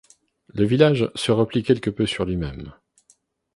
Le village se replie quelque peu sur lui-même.